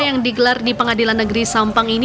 yang digelar di pengadilan negeri sampang ini